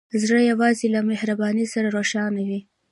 زړه یوازې له مهربانۍ سره روښانه وي.